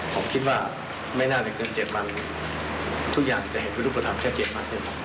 ผมคิดว่าไม่น่าจะเกินเจ็บมากทุกอย่างจะเห็นวิธีประธับแช่เจ็บมากขึ้น